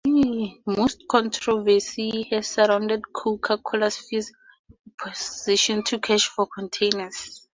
Much controversy has surrounded Coca-Cola's fierce opposition to Cash for Containers.